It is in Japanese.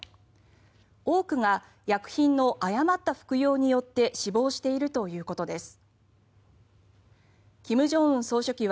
多くが薬品の誤った服用によって死亡しているということです。